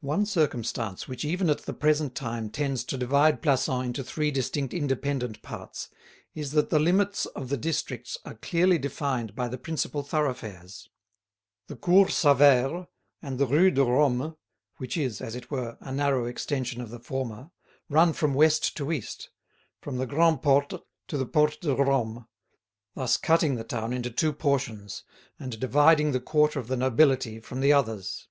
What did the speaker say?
One circumstance which even at the present time tends to divide Plassans into three distinct independent parts is that the limits of the districts are clearly defined by the principal thoroughfares. The Cours Sauvaire and the Rue de Rome, which is, as it were, a narrow extension of the former, run from west to east, from the Grand' Porte to the Porte de Rome, thus cutting the town into two portions, and dividing the quarter of the nobility from the others.